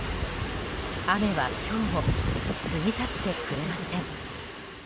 雨は今日も過ぎ去ってくれません。